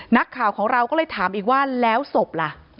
นักข่าวของเราก็เลยถามอีกว่าแล้วศพล่ะ